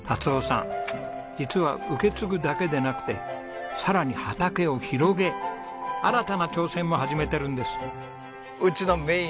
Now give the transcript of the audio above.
実は受け継ぐだけでなくてさらに畑を広げ新たな挑戦も始めてるんです。